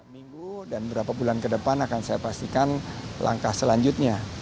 minggu dan berapa bulan ke depan akan saya pastikan langkah selanjutnya